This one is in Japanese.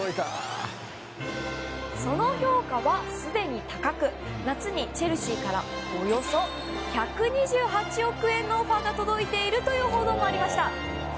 その評価はすでに高く夏にチェルシーからおよそ１２８億円のオファーが届いているという報道もありました。